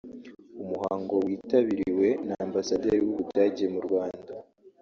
umuhango witabiriwe na Ambasaderi w’ u Budage mu Rwanda